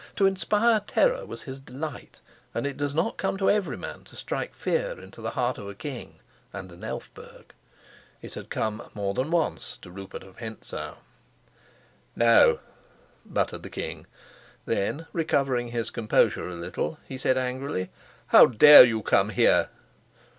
To inspire terror was his delight, and it does not come to every man to strike fear into the heart of a king and an Elphberg. It had come more than once to Rupert of Hentzau. "No," muttered the king. Then, recovering his composure a little, he said angrily, "How dare you come here?"